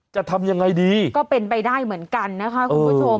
จะทำยังไงดีก็เป็นไปได้เหมือนกันนะคะคุณผู้ชม